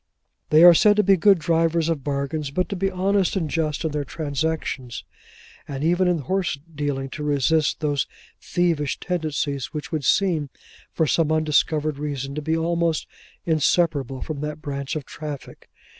They are said to be good drivers of bargains, but to be honest and just in their transactions, and even in horse dealing to resist those thievish tendencies which would seem, for some undiscovered reason, to be almost inseparable from that branch of traffic.